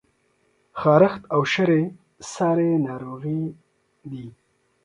خارښت او شری څاری ناروغی دي؟